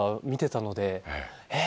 えっ！